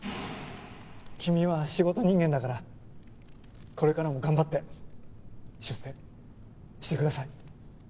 君は仕事人間だからこれからも頑張って出世してください。